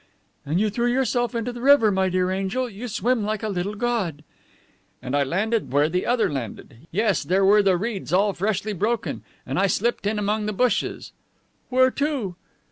"And you threw yourself into the river, my dear angel. You swim like a little god." "And I landed where the other landed. Yes, there were the reeds all freshly broken. And I slipped in among the bushes." "Where to?"